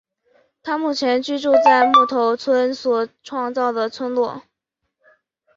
他目前居住在木头村所创造的村落。